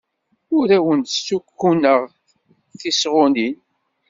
Ur awen-d-ssukkuneɣ tisɣunin.